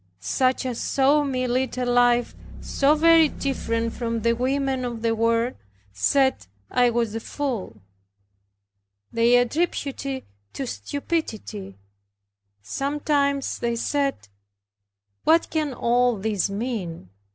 Such as saw me lead a life so very different from the women of the world said I was a fool. They attributed it to stupidity. Sometimes they said, "What can all this mean?